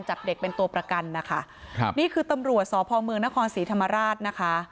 จับเด็กเป็นตัวประกันนะคะครับนี่คือตำรวจสพเมืองนครศรีธรรมราชนะคะ